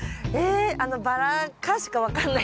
バラ科しか分かんない？